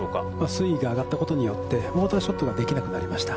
水位が上がったことによってウオーターショットができなくなりました。